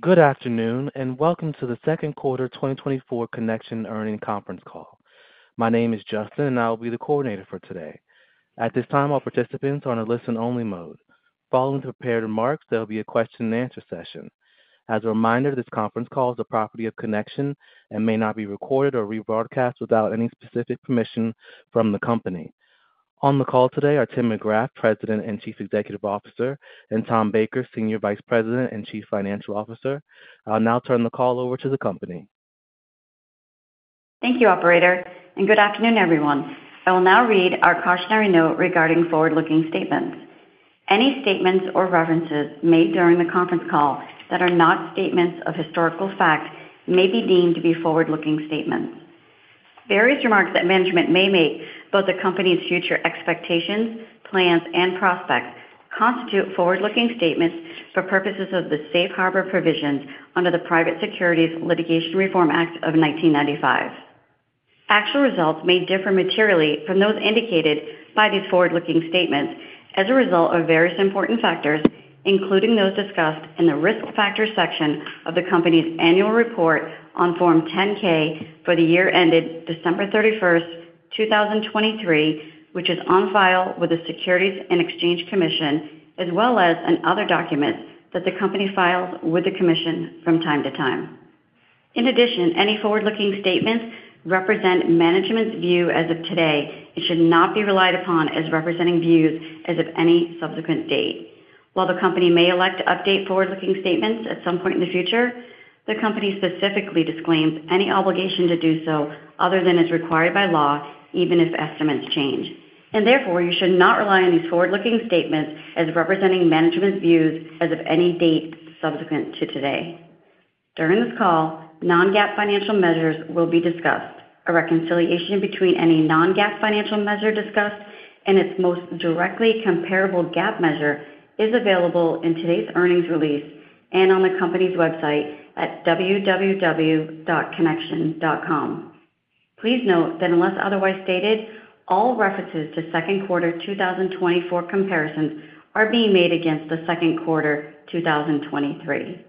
Good afternoon and welcome to the Second Quarter 2024 Connection Earnings Conference Call. My name is Justin and I will be the coordinator for today. At this time, all participants are on a listen-only mode. Following the prepared remarks, there will be a question-and-answer session. As a reminder, this conference call is the property of Connection and may not be recorded or rebroadcast without any specific permission from the company. On the call today are Tim McGrath, President and Chief Executive Officer, and Tom Baker, Senior Vice President and Chief Financial Officer. I'll now turn the call over to the company. Thank you, Operator. And good afternoon, everyone. I will now read our cautionary note regarding forward-looking statements. Any statements or references made during the conference call that are not statements of historical fact may be deemed to be forward-looking statements. Various remarks that management may make about the company's future expectations, plans, and prospects constitute forward-looking statements for purposes of the Safe Harbor Provisions under the Private Securities Litigation Reform Act of 1995. Actual results may differ materially from those indicated by these forward-looking statements as a result of various important factors, including those discussed in the risk factor section of the company's annual report on Form 10-K for the year ended December 31st, 2023, which is on file with the Securities and Exchange Commission, as well as in other documents that the company files with the Commission from time to time. In addition, any forward-looking statements represent management's view as of today and should not be relied upon as representing views as of any subsequent date. While the company may elect to update forward-looking statements at some point in the future, the company specifically disclaims any obligation to do so other than as required by law, even if estimates change. Therefore, you should not rely on these forward-looking statements as representing management's views as of any date subsequent to today. During this call, non-GAAP financial measures will be discussed. A reconciliation between any non-GAAP financial measure discussed and its most directly comparable GAAP measure is available in today's earnings release and on the company's website at www.connection.com. Please note that unless otherwise stated, all references to Second Quarter 2024 comparisons are being made against the Second Quarter 2023.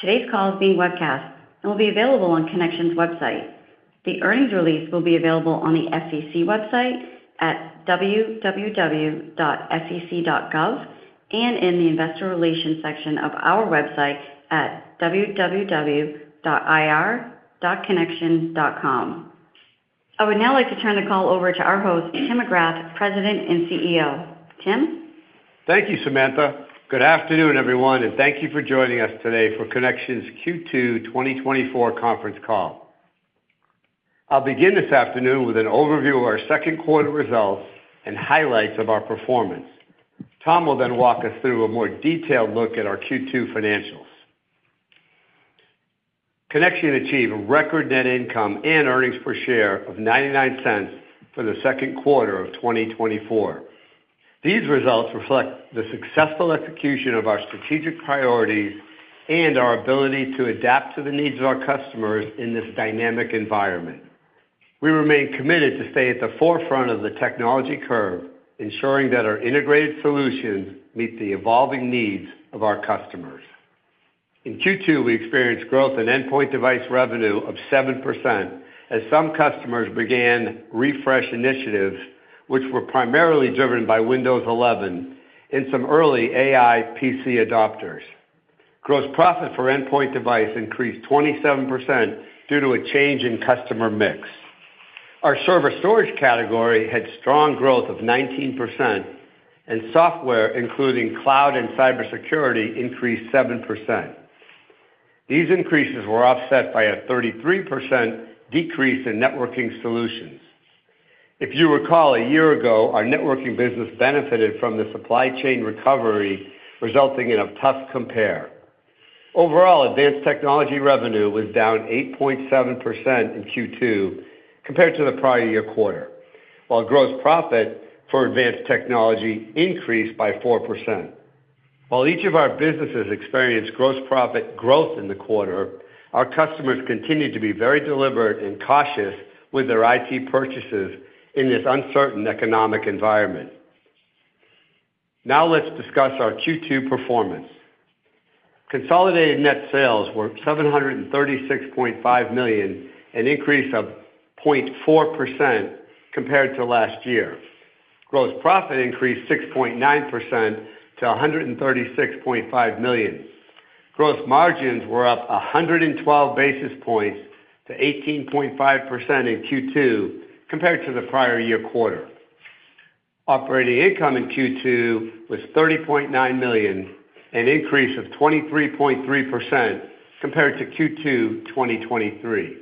Today's call is being webcast and will be available on Connection's website. The earnings release will be available on the SEC website at www.sec.gov and in the investor relations section of our website at www.ir.connection.com. I would now like to turn the call over to our host, Tim McGrath, President and CEO. Tim. Thank you, Samantha. Good afternoon, everyone, and thank you for joining us today for Connection's Q2 2024 conference call. I'll begin this afternoon with an overview of our second quarter results and highlights of our performance. Tom will then walk us through a more detailed look at our Q2 financials. Connection achieved a record net income and earnings per share of $0.99 for the second quarter of 2024. These results reflect the successful execution of our strategic priorities and our ability to adapt to the needs of our customers in this dynamic environment. We remain committed to stay at the forefront of the technology curve, ensuring that our integrated solutions meet the evolving needs of our customers. In Q2, we experienced growth in endpoint device revenue of 7% as some customers began refresh initiatives, which were primarily driven by Windows 11 and some early AI PC adopters. Gross profit for endpoint device increased 27% due to a change in customer mix. Our server storage category had strong growth of 19%, and software, including cloud and cybersecurity, increased 7%. These increases were offset by a 33% decrease in networking solutions. If you recall, a year ago, our networking business benefited from the supply chain recovery resulting in a tough compare. Overall, advanced technology revenue was down 8.7% in Q2 compared to the prior year quarter, while gross profit for advanced technology increased by 4%. While each of our businesses experienced gross profit growth in the quarter, our customers continue to be very deliberate and cautious with their IT purchases in this uncertain economic environment. Now let's discuss our Q2 performance. Consolidated net sales were $736.5 million, an increase of 0.4% compared to last year. Gross profit increased 6.9% to $136.5 million. Gross margins were up 112 basis points to 18.5% in Q2 compared to the prior year quarter. Operating income in Q2 was $30.9 million, an increase of 23.3% compared to Q2 2023.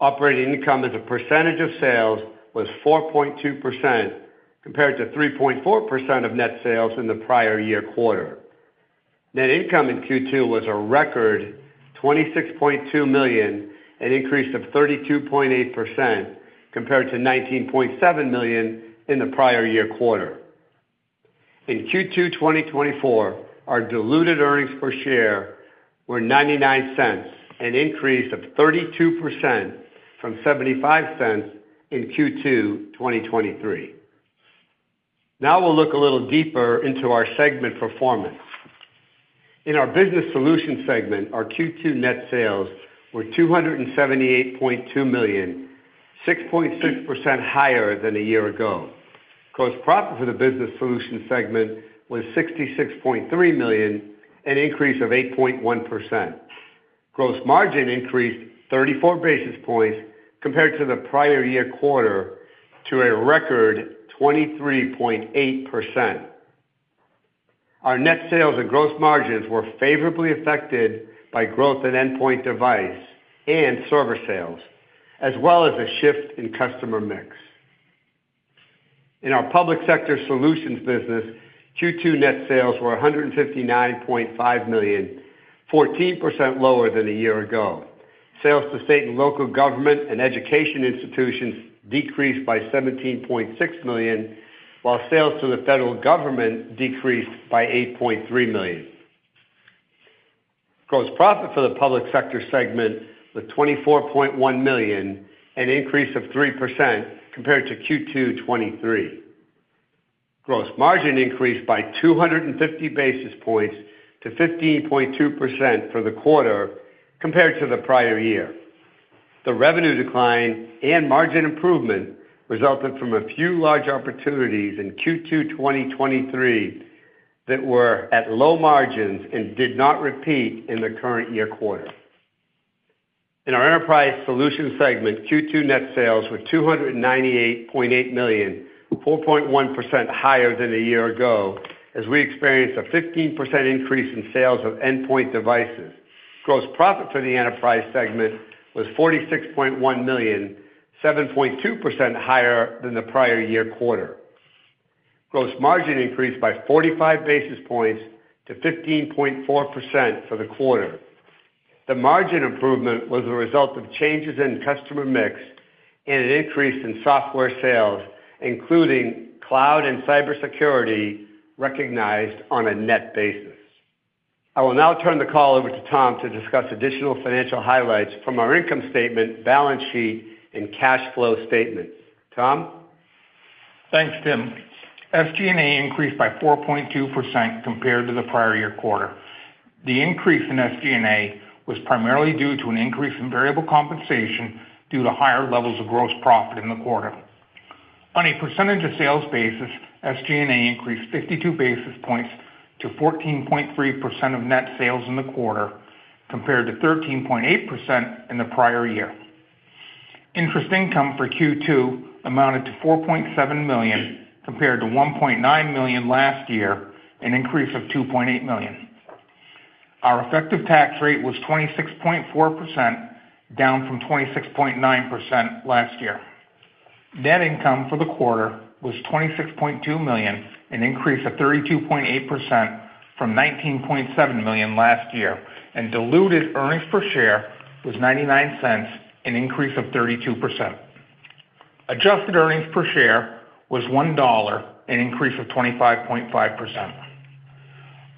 Operating income as a percentage of sales was 4.2% compared to 3.4% of net sales in the prior year quarter. Net income in Q2 was a record $26.2 million, an increase of 32.8% compared to $19.7 million in the prior year quarter. In Q2 2024, our diluted earnings per share were $0.99, an increase of 32% from $0.75 in Q2 2023. Now we'll look a little deeper into our segment performance. In our business solution segment, our Q2 net sales were $278.2 million, 6.6% higher than a year ago. Gross profit for the business solution segment was $66.3 million, an increase of 8.1%. Gross margin increased 34 basis points compared to the prior year quarter to a record 23.8%. Our net sales and gross margins were favorably affected by growth in endpoint device and server sales, as well as a shift in customer mix. In our public sector solutions business, Q2 net sales were $159.5 million, 14% lower than a year ago. Sales to state and local government and education institutions decreased by $17.6 million, while sales to the federal government decreased by $8.3 million. Gross profit for the public sector segment was $24.1 million, an increase of 3% compared to Q2 2023. Gross margin increased by 250 basis points to 15.2% for the quarter compared to the prior year. The revenue decline and margin improvement resulted from a few large opportunities in Q2 2023 that were at low margins and did not repeat in the current year quarter. In our enterprise solution segment, Q2 net sales were $298.8 million, 4.1% higher than a year ago, as we experienced a 15% increase in sales of endpoint devices. Gross profit for the enterprise segment was $46.1 million, 7.2% higher than the prior year quarter. Gross margin increased by 45 basis points to 15.4% for the quarter. The margin improvement was a result of changes in customer mix and an increase in software sales, including cloud and cybersecurity recognized on a net basis. I will now turn the call over to Tom to discuss additional financial highlights from our income statement, balance sheet, and cash flow statements. Tom? Thanks, Tim. SG&A increased by 4.2% compared to the prior year quarter. The increase in SG&A was primarily due to an increase in variable compensation due to higher levels of gross profit in the quarter. On a percentage of sales basis, SG&A increased 52 basis points to 14.3% of net sales in the quarter compared to 13.8% in the prior year. Interest income for Q2 amounted to $4.7 million compared to $1.9 million last year, an increase of $2.8 million. Our effective tax rate was 26.4%, down from 26.9% last year. Net income for the quarter was $26.2 million, an increase of 32.8% from $19.7 million last year. Diluted earnings per share was $0.99, an increase of 32%. Adjusted earnings per share was $1, an increase of 25.5%.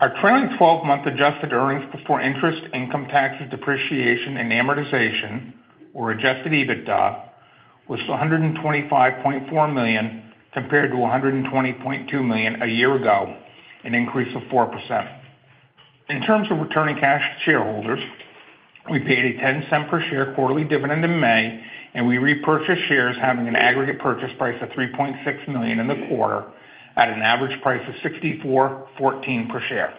Our trailing 12-month Adjusted EBITDA was $125.4 million compared to $120.2 million a year ago, an increase of 4%. In terms of returning cash to shareholders, we paid a $0.10 per share quarterly dividend in May, and we repurchased shares having an aggregate purchase price of $3.6 million in the quarter at an average price of $64.14 per share.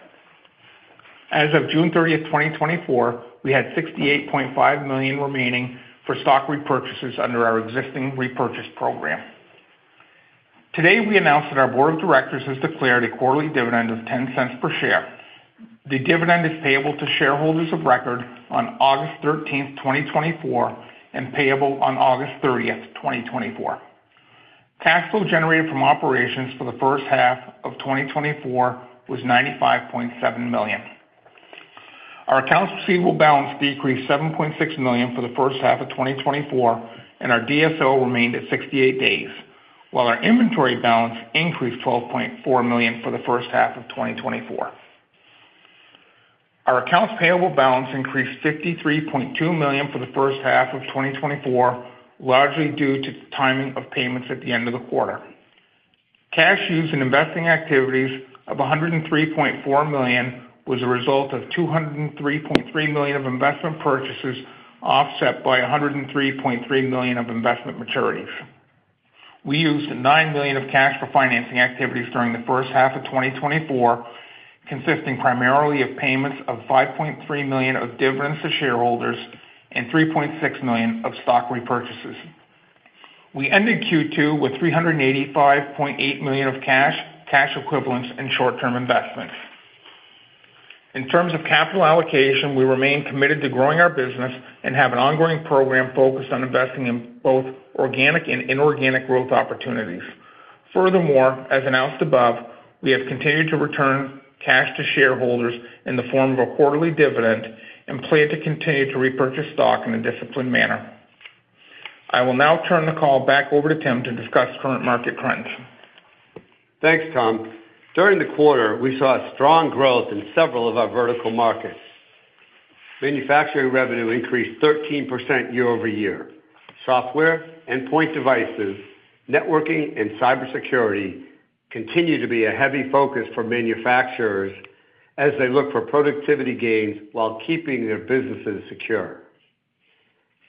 As of June 30th, 2024, we had $68.5 million remaining for stock repurchases under our existing repurchase program. Today, we announced that our Board of Directors has declared a quarterly dividend of $0.10 per share. The dividend is payable to shareholders of record on August 13th, 2024, and payable on August 30th, 2024. Cash flow generated from operations for the first half of 2024 was $95.7 million. Our accounts receivable balance decreased $7.6 million for the first half of 2024, and our DSO remained at 68 days, while our inventory balance increased $12.4 million for the first half of 2024. Our accounts payable balance increased $53.2 million for the first half of 2024, largely due to timing of payments at the end of the quarter. Cash used in investing activities of $103.4 million was a result of $203.3 million of investment purchases offset by $103.3 million of investment maturities. We used $9 million of cash for financing activities during the first half of 2024, consisting primarily of payments of $5.3 million of dividends to shareholders and $3.6 million of stock repurchases. We ended Q2 with $385.8 million of cash, cash equivalents, and short-term investments. In terms of capital allocation, we remain committed to growing our business and have an ongoing program focused on investing in both organic and inorganic growth opportunities. Furthermore, as announced above, we have continued to return cash to shareholders in the form of a quarterly dividend and plan to continue to repurchase stock in a disciplined manner. I will now turn the call back over to Tim to discuss current market trends. Thanks, Tom. During the quarter, we saw strong growth in several of our vertical markets. Manufacturing revenue increased 13% year-over-year. Software, endpoint devices, networking, and cybersecurity continue to be a heavy focus for manufacturers as they look for productivity gains while keeping their businesses secure.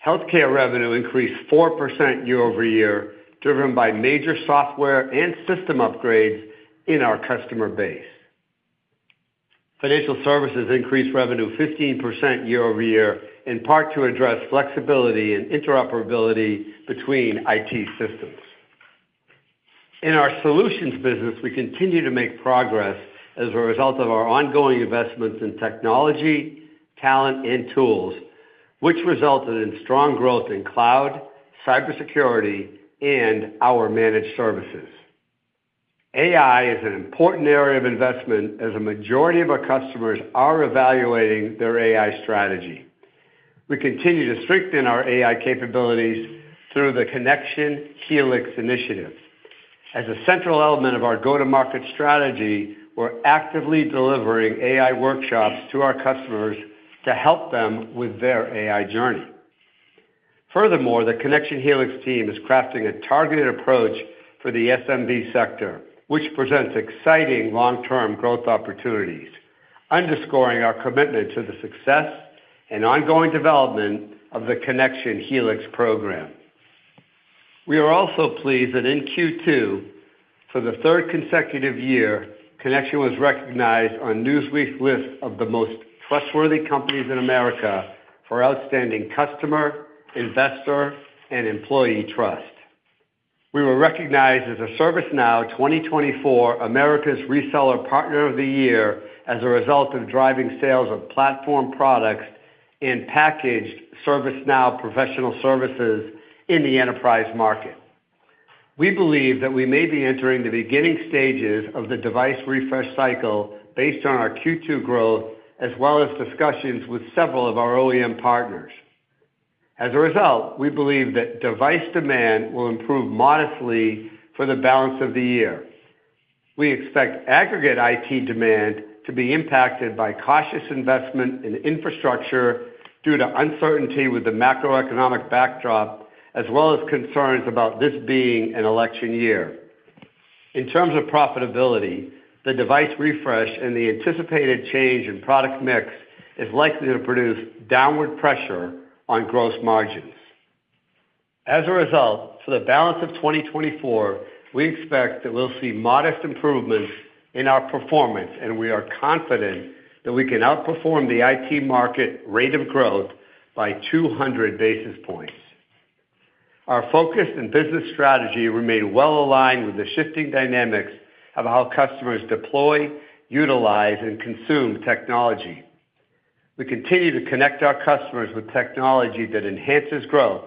Healthcare revenue increased 4% year-over-year, driven by major software and system upgrades in our customer base. Financial services increased revenue 15% year-over-year, in part to address flexibility and interoperability between IT systems. In our solutions business, we continue to make progress as a result of our ongoing investments in technology, talent, and tools, which resulted in strong growth in cloud, cybersecurity, and our managed services. AI is an important area of investment as a majority of our customers are evaluating their AI strategy. We continue to strengthen our AI capabilities through the Connection Helix initiative. As a central element of our go-to-market strategy, we're actively delivering AI workshops to our customers to help them with their AI journey. Furthermore, the Connection Helix team is crafting a targeted approach for the SMB sector, which presents exciting long-term growth opportunities, underscoring our commitment to the success and ongoing development of the Connection Helix program. We are also pleased that in Q2, for the third consecutive year, Connection was recognized on Newsweek's list of the Most Trustworthy Companies in America for outstanding customer, investor, and employee trust. We were recognized as a ServiceNow 2024 Americas Reseller Partner of the Year as a result of driving sales of platform products and packaged ServiceNow professional services in the enterprise market. We believe that we may be entering the beginning stages of the device refresh cycle based on our Q2 growth, as well as discussions with several of our OEM partners. As a result, we believe that device demand will improve modestly for the balance of the year. We expect aggregate IT demand to be impacted by cautious investment in infrastructure due to uncertainty with the macroeconomic backdrop, as well as concerns about this being an election year. In terms of profitability, the device refresh and the anticipated change in product mix is likely to produce downward pressure on gross margins. As a result, for the balance of 2024, we expect that we'll see modest improvements in our performance, and we are confident that we can outperform the IT market rate of growth by 200 basis points. Our focus and business strategy remain well aligned with the shifting dynamics of how customers deploy, utilize, and consume technology. We continue to connect our customers with technology that enhances growth,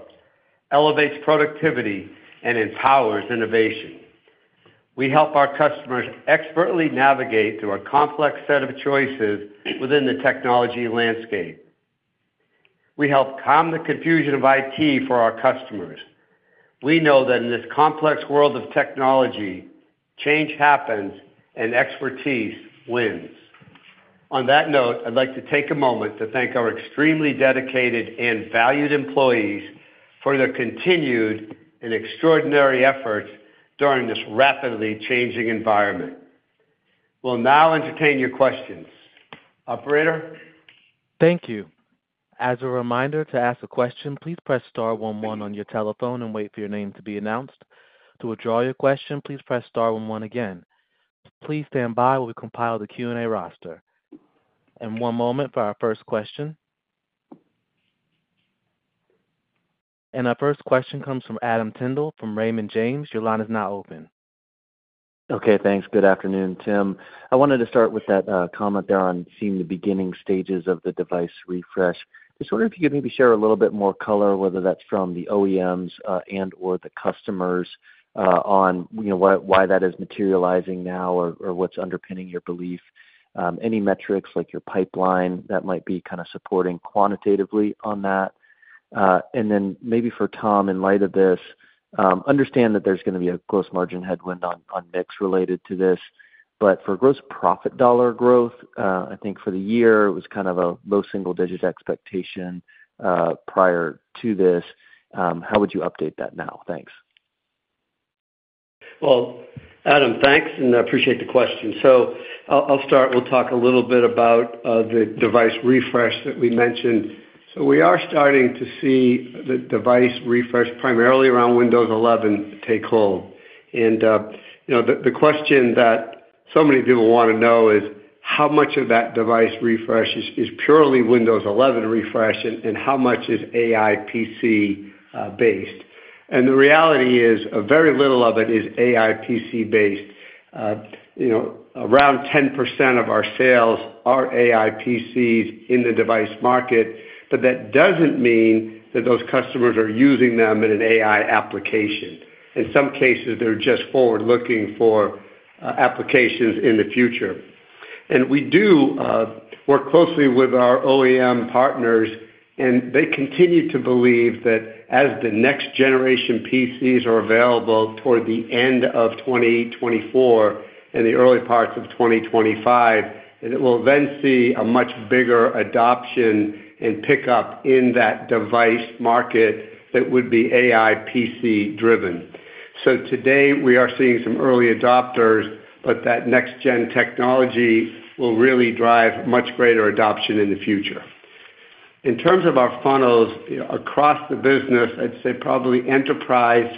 elevates productivity, and empowers innovation. We help our customers expertly navigate through a complex set of choices within the technology landscape. We help calm the confusion of IT for our customers. We know that in this complex world of technology, change happens and expertise wins. On that note, I'd like to take a moment to thank our extremely dedicated and valued employees for their continued and extraordinary efforts during this rapidly changing environment. We'll now entertain your questions. Operator? Thank you. As a reminder to ask a question, please press star one one on your telephone and wait for your name to be announced. To withdraw your question, please press star one one again. Please stand by while we compile the Q&A roster. One moment for our first question. Our first question comes from Adam Tindle from Raymond James. Your line is now open. Okay, thanks. Good afternoon, Tim. I wanted to start with that comment there on seeing the beginning stages of the device refresh. Just wondering if you could maybe share a little bit more color, whether that's from the OEMs and/or the customers on why that is materializing now or what's underpinning your belief. Any metrics like your pipeline that might be kind of supporting quantitatively on that. And then maybe for Tom, in light of this, understand that there's going to be a gross margin headwind on mix related to this. But for gross profit dollar growth, I think for the year, it was kind of a low single-digit expectation prior to this. How would you update that now? Thanks. Well, Adam, thanks, and I appreciate the question. I'll start. We'll talk a little bit about the device refresh that we mentioned. We are starting to see the device refresh primarily around Windows 11 take hold. The question that so many people want to know is how much of that device refresh is purely Windows 11 refresh and how much is AI PC based. The reality is very little of it is AI PC based. Around 10% of our sales are AI PCs in the device market, but that doesn't mean that those customers are using them in an AI application. In some cases, they're just forward-looking for applications in the future. We do work closely with our OEM partners, and they continue to believe that as the next generation PCs are available toward the end of 2024 and the early parts of 2025, that we'll then see a much bigger adoption and pickup in that device market that would be AI PC driven. So today, we are seeing some early adopters, but that next-gen technology will really drive much greater adoption in the future. In terms of our funnels across the business, I'd say probably enterprise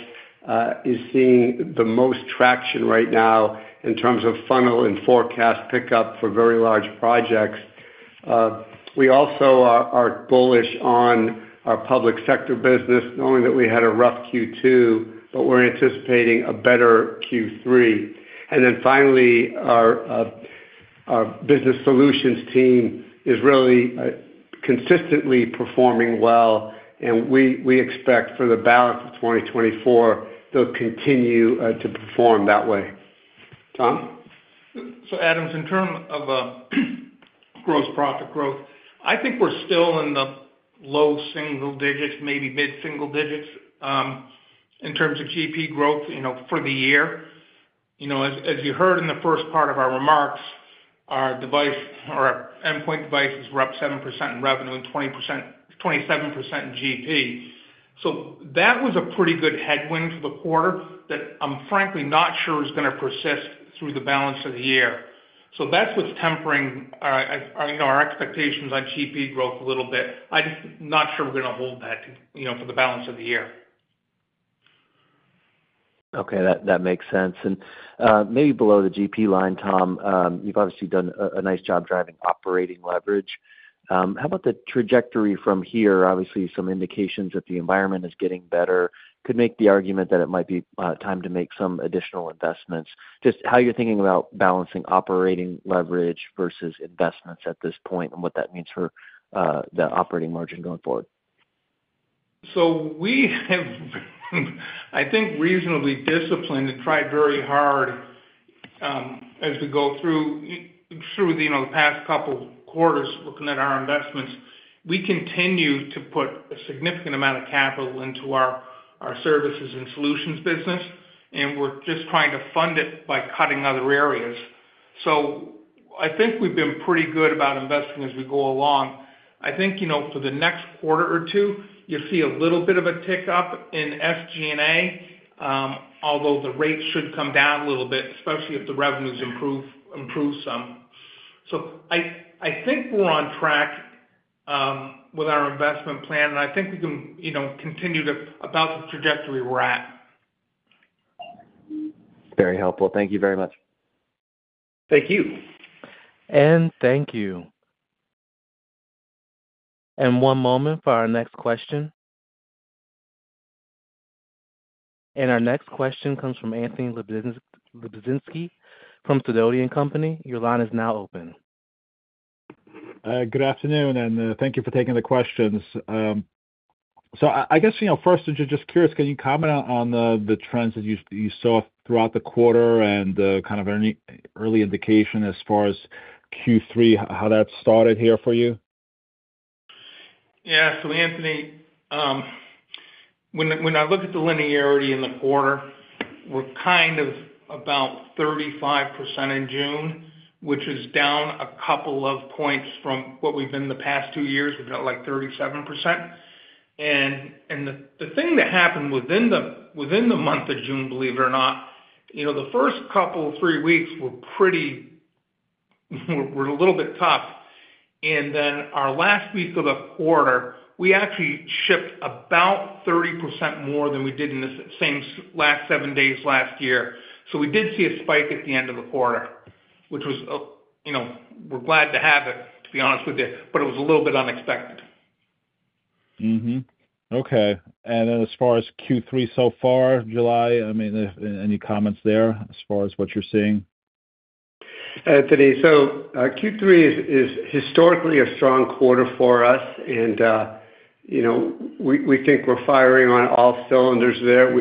is seeing the most traction right now in terms of funnel and forecast pickup for very large projects. We also are bullish on our public sector business, knowing that we had a rough Q2, but we're anticipating a better Q3. And then finally, our business solutions team is really consistently performing well, and we expect for the balance of 2024, they'll continue to perform that way. Tom? So, Adam, in terms of gross profit growth, I think we're still in the low single digits, maybe mid-single digits in terms of GP growth for the year. As you heard in the first part of our remarks, our endpoint devices were up 7% in revenue and 27% in GP. So that was a pretty good headwind for the quarter that I'm frankly not sure is going to persist through the balance of the year. So that's what's tempering our expectations on GP growth a little bit. I'm not sure we're going to hold that for the balance of the year. Okay, that makes sense. And maybe below the GP line, Tom, you've obviously done a nice job driving operating leverage. How about the trajectory from here? Obviously, some indications that the environment is getting better could make the argument that it might be time to make some additional investments. Just how you're thinking about balancing operating leverage versus investments at this point and what that means for the operating margin going forward? So we have, I think, reasonably disciplined and tried very hard as we go through the past couple of quarters looking at our investments. We continue to put a significant amount of capital into our services and solutions business, and we're just trying to fund it by cutting other areas. So I think we've been pretty good about investing as we go along. I think for the next quarter or two, you'll see a little bit of a tick up in SG&A, although the rate should come down a little bit, especially if the revenues improve some. So I think we're on track with our investment plan, and I think we can continue to about the trajectory we're at. Very helpful. Thank you very much. Thank you. Thank you. One moment for our next question. Our next question comes from Anthony Lebiedzinski from Sidoti & Company. Your line is now open. Good afternoon, and thank you for taking the questions. So I guess first, just curious, can you comment on the trends that you saw throughout the quarter and kind of any early indication as far as Q3, how that started here for you? Yeah. So Anthony, when I look at the linearity in the quarter, we're kind of about 35% in June, which is down a couple of points from what we've been the past two years. We've got like 37%. And the thing that happened within the month of June, believe it or not, the first couple of three weeks were pretty a little bit tough. And then our last week of the quarter, we actually shipped about 30% more than we did in the same last seven days last year. So we did see a spike at the end of the quarter, which was, we're glad to have it, to be honest with you, but it was a little bit unexpected. Okay. As far as Q3 so far, July, I mean, any comments there as far as what you're seeing? Anthony, so Q3 is historically a strong quarter for us, and we think we're firing on all cylinders there.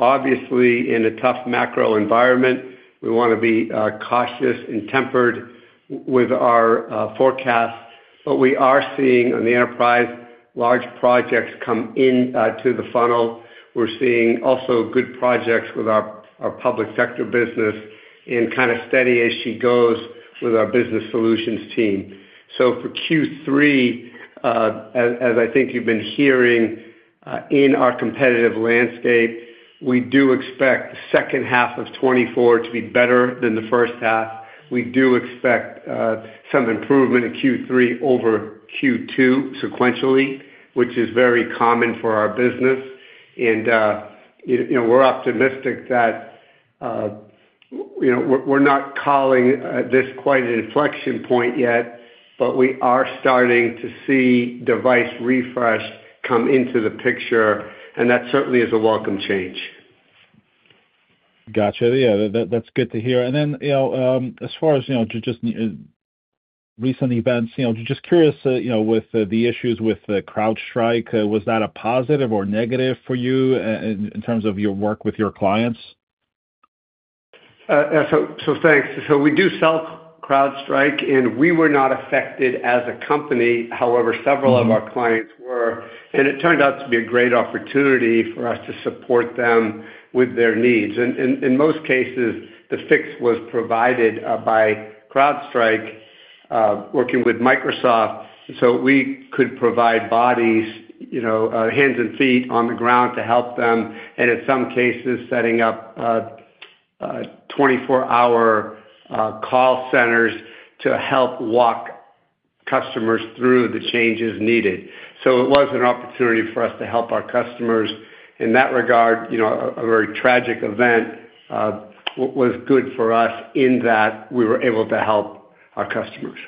Obviously, in a tough macro environment, we want to be cautious and tempered with our forecasts. But we are seeing on the enterprise, large projects come into the funnel. We're seeing also good projects with our public sector business and kind of steady as she goes with our business solutions team. So for Q3, as I think you've been hearing in our competitive landscape, we do expect the second half of 2024 to be better than the first half. We do expect some improvement in Q3 over Q2 sequentially, which is very common for our business. And we're optimistic that we're not calling this quite an inflection point yet, but we are starting to see device refresh come into the picture, and that certainly is a welcome change. Gotcha. Yeah, that's good to hear. And then as far as just recent events, just curious with the issues with CrowdStrike, was that a positive or negative for you in terms of your work with your clients? So thanks. We do sell CrowdStrike, and we were not affected as a company. However, several of our clients were. It turned out to be a great opportunity for us to support them with their needs. In most cases, the fix was provided by CrowdStrike working with Microsoft. We could provide bodies, hands and feet on the ground to help them, and in some cases, setting up 24-hour call centers to help walk customers through the changes needed. It was an opportunity for us to help our customers. In that regard, a very tragic event was good for us in that we were able to help our customers.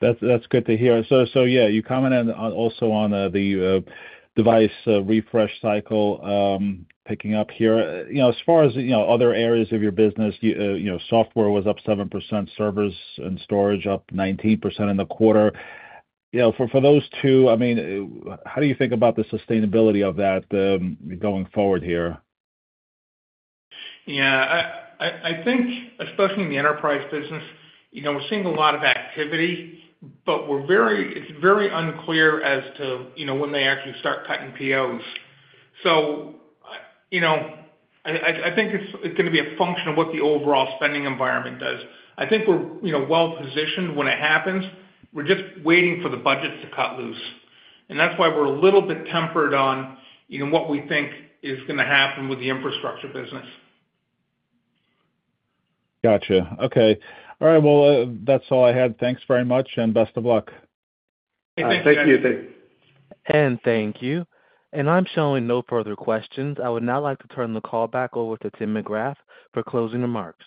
That's good to hear. So yeah, you commented also on the device refresh cycle picking up here. As far as other areas of your business, software was up 7%, servers and storage up 19% in the quarter. For those two, I mean, how do you think about the sustainability of that going forward here? Yeah. I think, especially in the enterprise business, we're seeing a lot of activity, but it's very unclear as to when they actually start cutting POs. So I think it's going to be a function of what the overall spending environment does. I think we're well-positioned when it happens. We're just waiting for the budgets to cut loose. And that's why we're a little bit tempered on what we think is going to happen with the infrastructure business. Gotcha. Okay. All right. Well, that's all I had. Thanks very much, and best of luck. Thank you. Thank you. Thank you. I'm showing no further questions. I would now like to turn the call back over to Tim McGrath for closing remarks.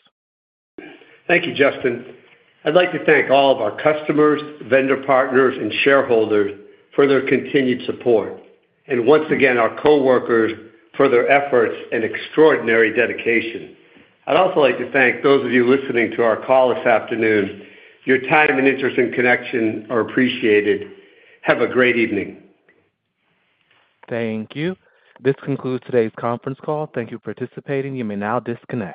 Thank you, Justin. I'd like to thank all of our customers, vendor partners, and shareholders for their continued support. Once again, our coworkers for their efforts and extraordinary dedication. I'd also like to thank those of you listening to our call this afternoon. Your time and interest and Connection are appreciated. Have a great evening. Thank you. This concludes today's conference call. Thank you for participating. You may now disconnect.